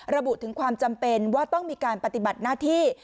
ระบุถึงความจำเป็นว่าต้องมีการปฏิบัติหน้าที่